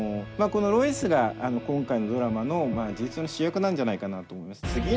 このロイスが今回のドラマの事実上の主役なんじゃないかなとも思います。